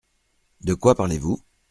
De quoi parlez-vous ?